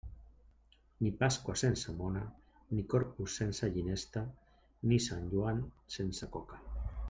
Ni Pasqua sense mona, ni Corpus sense ginesta, ni Sant Joan sense coca.